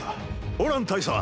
オラン大佐！